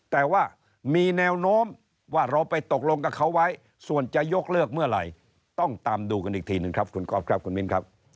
แต่ว่ามีแนวโน้มว่าเราไปตกลงกับเขาไว้ส่วนจะยกเลิกเมื่อไหร่ต้องตามดูกันอีกทีหนึ่งครับคุณก๊อฟครับคุณมิ้นครับ